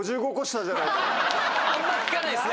あんま聞かないっすね。